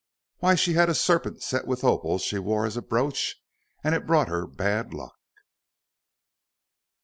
"Why, she had a serpent set with opals she wore as a brooch, and it brought her bad luck."